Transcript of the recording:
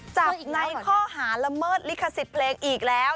จับในข้อหาละเมิดลิขสิทธิ์เพลงอีกแล้ว